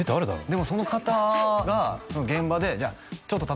でもその方が現場でじゃあちょっと